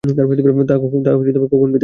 তা কখন পেতে পারি?